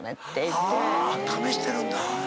試してるんだ。